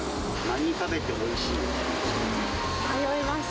何食べてもおいしいです。